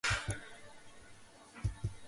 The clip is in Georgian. სამი ასეული, ორი ათეული, ოთხი ერთეული.